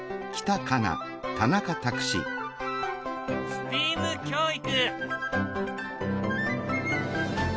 ＳＴＥＡＭ教育。